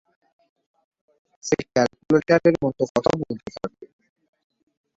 সে ক্যালকুলেটরের মত কথা বলতে থাকে।